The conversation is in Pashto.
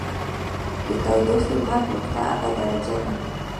د تودوخې مرګ نقطه هغه درجه ده.